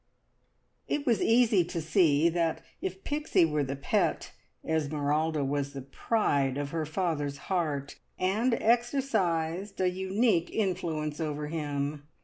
It was easy to see that if Pixie were the pet, Esmeralda was the pride of her father's heart, and exercised a unique influence over him.